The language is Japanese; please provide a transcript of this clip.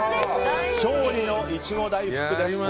勝利のいちご大福です。